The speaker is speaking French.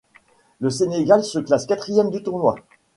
Le Sénégal se classe quatrième du tournoi.